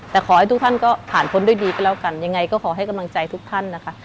แต่ขอให้ทุกท่านก็ผ่านพ้นด้วยดีก็แล้วกันยังไงก็ขอให้กำลังใจทุกท่านนะคะ